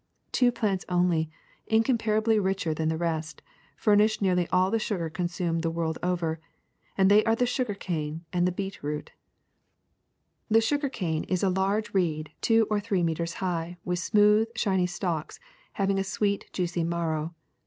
Two plants only, incomparably richer than the rest, furnish nearly all the sugar consumed the world over; and they are the sugar cane and the beet root. SUGAR 183 ^^The sugar cane is a large reed two or three meters high, with smooth, shiny stalks having a sweet, juicy marrow.